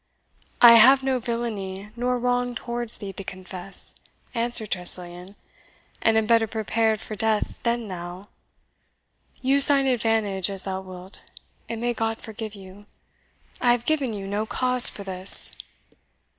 "I have no villainy nor wrong towards thee to confess," answered Tressilian, "and am better prepared for death than thou. Use thine advantage as thou wilt, and may God forgive you! I have given you no cause for this."